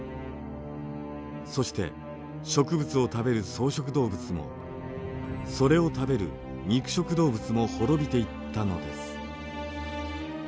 そして植物を食べる草食動物もそれを食べる肉食動物も滅びていったのです。